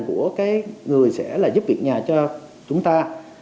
của người sẽ giúp việc nhà cho chúng ta